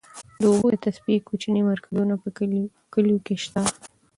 د اوبو د تصفیې کوچني مرکزونه په کليو کې شته.